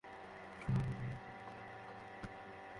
আমার মনে হয় আমি নিজেই নিজেকে অবজ্ঞা করেছি।